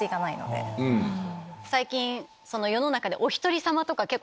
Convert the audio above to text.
最近世の中で。